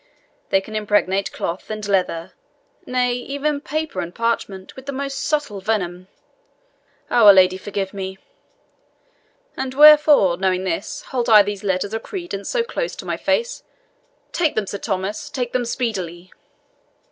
They can impregnate cloth and leather, nay, even paper and parchment, with the most subtle venom. Our Lady forgive me! And wherefore, knowing this, hold I these letters of credence so close to my face? Take them, Sir Thomas take them speedily!"